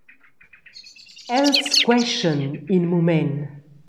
Els queschan in mument.